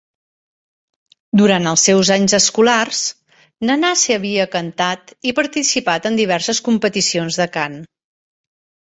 Durant els seus anys escolars, Nanase havia cantat i participat en diverses competicions de cant.